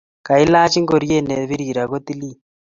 Kailach ingoriet ne birir ako tilil